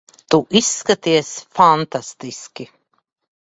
Tu izskaties fantastiski.